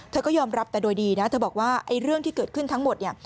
เธอก็ยอมรับแต่โดยดีนะเธอบอกว่าไอ้เรื่องที่เกิดขึ้นทั้งหมดเนี่ย